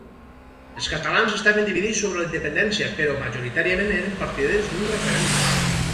Els catalans estaven dividits sobre la independència però majoritàriament eren partidaris d'un referèndum.